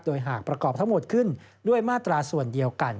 โดยหากประกอบทั้งหมดขึ้นด้วยมาตราส่วนเดียวกัน